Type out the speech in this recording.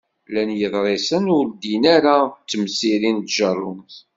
Llan yeḍrisen ur ddin ara d temsirin n tjerrumt.